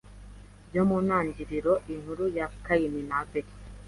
byo mu Itangiriro inkuru ya Kayini na Abeli